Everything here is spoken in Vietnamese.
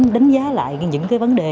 đánh giá lại những vấn đề